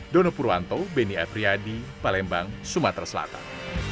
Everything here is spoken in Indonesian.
dono purwanto beni apriyadi palembang sumatera selatan